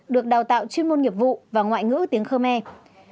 được đào tạo chuyên môn nghiệp vụ và ngoại ngữ tiếng khmer